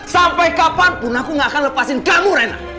sampai kapanpun aku gak akan lepasin kamu rena